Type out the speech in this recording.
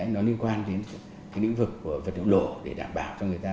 nó liên quan đến cái lĩnh vực của vật động lộ để đảm bảo cho người ta